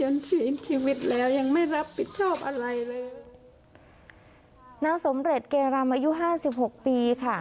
น้าสมเร็จเกรรมอายุ๕๖ปีค่ะ